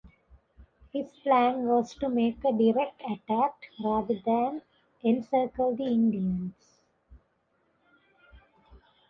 His plan was to make a direct attack rather than encircle the Indians.